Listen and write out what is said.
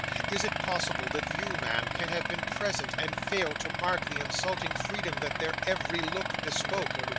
Is it possible that you, ma'am, can have been present, and failed to mark the insulting freedom that their every look bespoke?